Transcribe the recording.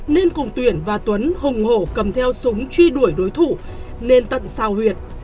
nên cùng tuyển và tuấn hùng hổ cầm theo súng truy đuổi đối thủ nên tận sao huyệt